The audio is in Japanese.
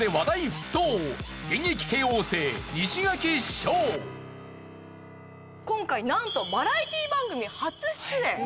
その今回なんとバラエティー番組初出演！